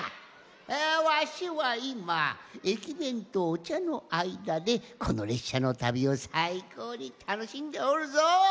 あわしはいまえきべんとおちゃのあいだでこのれっしゃのたびをさいこうにたのしんでおるぞ！